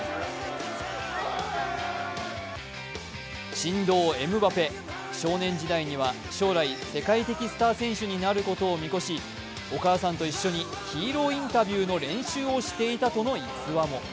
神童・エムバペ、少年時代には将来、世界的スター選手になることを見越し、お母さんと一緒にヒーローインタビューの練習をしていたとの逸話も。